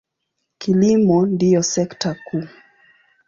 Kilimo ndiyo sekta kuu.